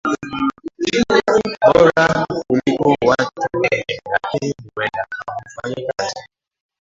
bora kuliko watu wengine lakini huenda kama mfanyakazi